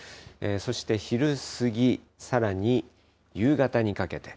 そして昼過ぎ、さらに夕方にかけて。